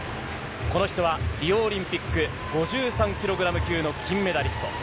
この人はリオオリンピック５３キログラム級の金メダリスト。